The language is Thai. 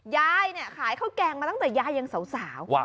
ยายเนี่ยขายข้าวแกงมาตั้งแต่ยายยังสาว